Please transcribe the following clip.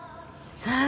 さあ。